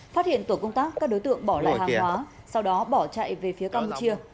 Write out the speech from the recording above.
phát hiện tổ công tác các đối tượng bỏ lại hàng hóa sau đó bỏ chạy về phía campuchia